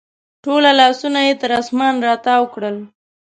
ټوله لاسونه یې تر اسمان راتاو کړل